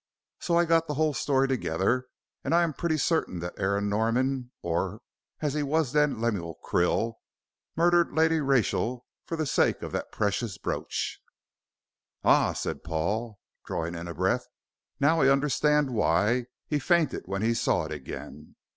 So I got the whole story together, and I am pretty certain that Aaron Norman, or as he then was, Lemuel Krill, murdered Lady Rachel for the sake of that precious brooch." "Ah," said Paul, drawing a breath, "now I understand why he fainted when he saw it again.